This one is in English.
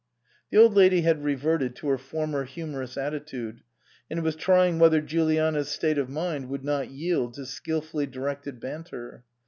The Old Lady had reverted to her former humorous attitude and was trying whether Juliana's state of mind would not yield to skilfully directed banter.